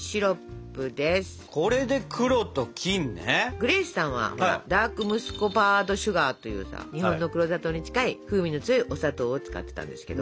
グレースさんはほらダークムスコバードシュガーというさ日本の黒砂糖に近い風味の強いお砂糖を使ってたんですけど。